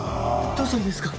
どうしたんですか？